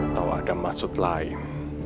atau ada maksud lain